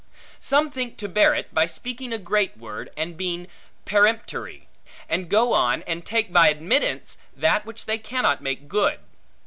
Some think to bear it by speaking a great word, and being peremptory; and go on, and take by admittance, that which they cannot make good.